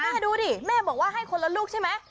แม่ดูดิแม่บอกให้คนละลูกใช่มั้ย